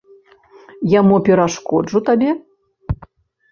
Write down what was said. Я мо перашкоджу табе?